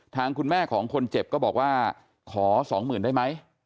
ทางคุณแม่ของคนเจ็บก็บอกว่าขอ๒๐๐๐ได้ไหม